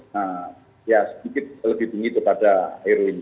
jadi ya sedikit lebih tinggi daripada heroin